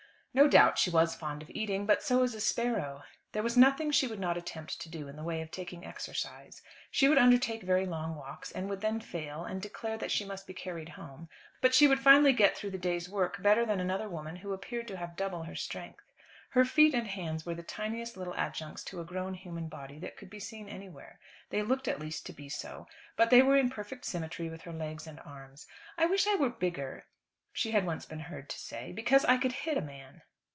No doubt she was fond of eating, but so is a sparrow. There was nothing she would not attempt to do in the way of taking exercise. She would undertake very long walks, and would then fail, and declare that she must be carried home; but she would finally get through the day's work better than another woman who appeared to have double her strength. Her feet and hands were the tiniest little adjuncts to a grown human body that could be seen anywhere. They looked at least to be so. But they were in perfect symmetry with her legs and arms. "I wish I were bigger," she had once been heard to say, "because I could hit a man."